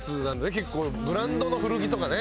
結構ブランドの古着とかね。